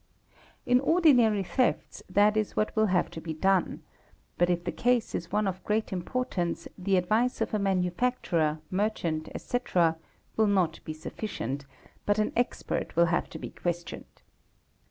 In ordinary thefts that is what will have to be done; but if the case is one of great importance the advice of a manufacturer, merchant, etc., will not be sufficient, but an expert will have to be questioned.